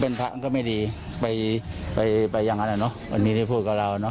เป็นทางก็ไม่ดีไปไปอย่างนั้นอ่ะเนอะวันนี้ได้พูดกับเราเนอ